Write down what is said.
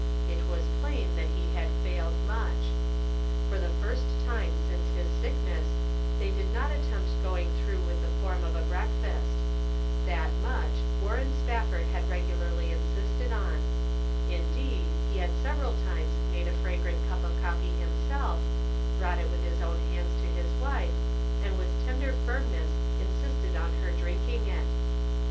It was plain that he had failed much. For the first time since his sickness they did not attempt going through with the form of a breakfast ; that much, Warren Spafford had regularly insisted on ; indeed, he had several times made the fragrant cup of coffee himself, brought it with his own hands to his wife, and with tender firmness insisted on her drink ing it.